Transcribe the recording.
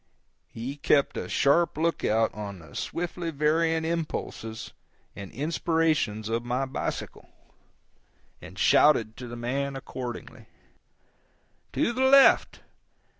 He kept a sharp lookout on the swiftly varying impulses and inspirations of my bicycle, and shouted to the man accordingly: "To the left!